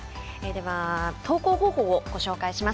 投稿方法をご紹介します。